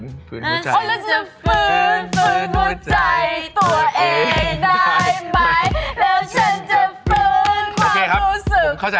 นี่แสดงให้รู้ว่าเราเป็นแฟนคลับอยู่นะ